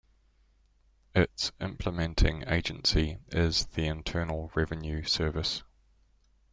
Its implementing agency is the Internal Revenue Service.